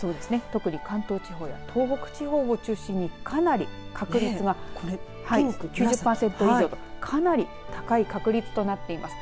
特に関東地方や東北地方を中心にかなり確率がピンク９０パーセントかなり高い確率となっています。